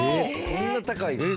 そんな高いの？